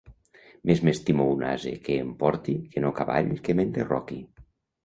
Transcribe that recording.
Més m'estimo un ase que em porti, que no cavall que m'enderroqui.